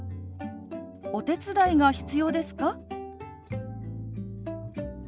「お手伝いが必要ですか？」。